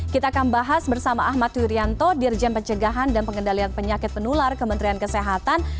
kita akan bahas bersama ahmad yuryanto dirjen pencegahan dan pengendalian penyakit penular kementerian kesehatan